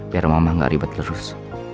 biar mama gak ribet terus